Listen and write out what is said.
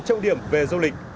trọng điểm về du lịch